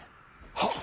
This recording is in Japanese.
はっ。